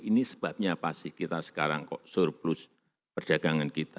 ini sebabnya apa sih kita sekarang kok surplus perdagangan kita